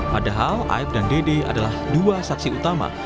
padahal aib dan dede adalah dua saksi utama